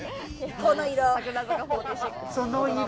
この色。